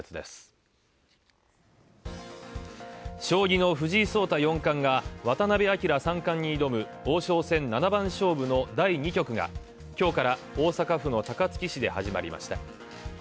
将棋の藤井聡太四冠が渡辺明三冠に挑む王将戦７番勝負の第２局が、今日から大阪府の高槻市で始まりました。